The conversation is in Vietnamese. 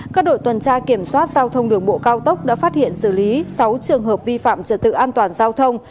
các đội tuần tra kiểm soát giao thông đường bộ cao tốc đã phát hiện xử lý sáu trường hợp vi phạm trật tự an toàn giao thông